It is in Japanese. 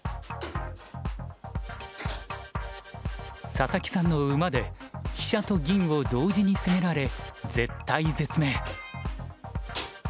佐々木さんの馬で飛車と銀を同時に攻められ絶体絶命。